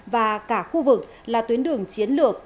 và cả khu vực là tuyến đường chiến lược